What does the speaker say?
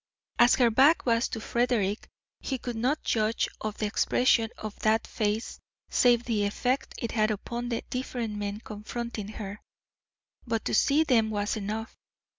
As her back was to Frederick he could not judge of the expression of that face save by the effect it had upon the different men confronting her. But to see them was enough.